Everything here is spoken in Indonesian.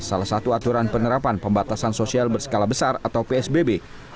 salah satu aturan penerapan pembatasan sosial berskala besar atau psbb